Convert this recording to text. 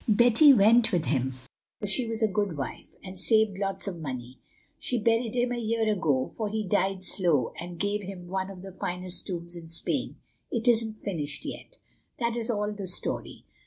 Betty went with him, for she was a good wife, and saved lots of money. She buried him a year ago, for he died slow, and gave him one of the finest tombs in Spain—it isn't finished yet. That is all the story.